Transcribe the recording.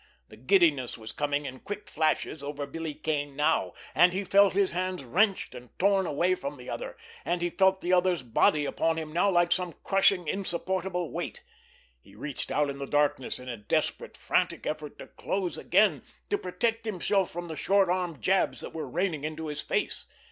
The giddiness was coming in quick flashes over Billy Kane now, and he felt his hands wrenched and torn away from the other, and he felt the other's body upon him now like some crushing, insupportable weight. He reached out in the darkness in a desperate, frantic effort to close again, to protect himself from the short arm jabs that were raining into his face.